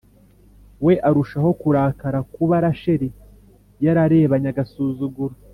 We arushaho kurakara kuba rachel yararebanye agasuzuguro